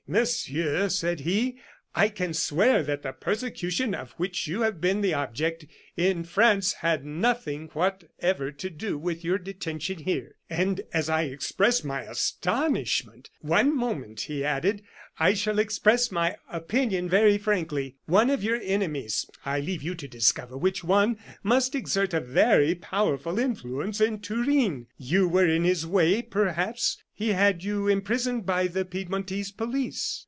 "'Monsieur,' said he, 'I can swear that the persecution of which you have been the object in France had nothing whatever to do with your detention here.' "And as I expressed my astonishment: "'One moment,' he added. 'I shall express my opinion very frankly. One of your enemies I leave you to discover which one must exert a very powerful influence in Turin. You were in his way, perhaps; he had you imprisoned by the Piedmontese police.